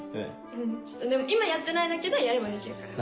うんちょっとでも今やってないんだけどやればできるから。